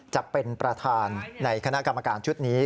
จะเป็นประธานในคณะกรรมการชุดนี้